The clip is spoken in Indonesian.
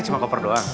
ini cuma koper doang